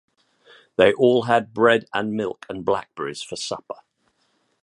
They all had bread and milk and blackberries for supper.